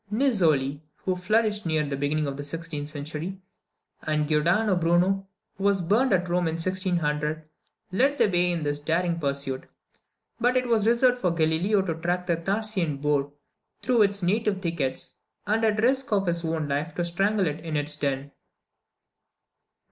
Nizzoli, who flourished near the beginning of the sixteenth century, and Giordano Bruno, who was burned at Rome in 1600, led the way in this daring pursuit; but it was reserved for Galileo to track the Thracian boar through its native thickets, and, at the risk of his own life, to strangle it in its den.